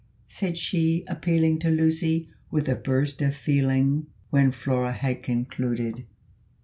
said she, appealing to Lucy with a burst of feeling, when Flora had concluded.